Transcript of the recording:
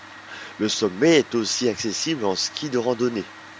Le sommet est aussi accessible en ski de randonnée.